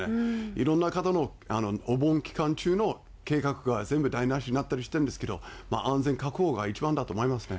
いろんな方のお盆期間中の計画が全部台なしになったりしてるんですけれども、安全確保が一番だと思いますね。